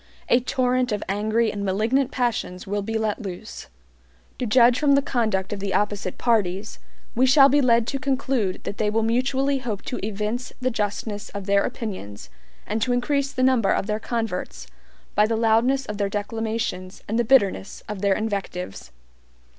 A torrent of angry and malignant passions will be let loose. To judge from the conduct of the opposite parties, we shall be led to conclude that they will mutually hope to evince the justness of their opinions, and to increase the number of their converts by the loudness of their declamations and the bitterness of their invectives.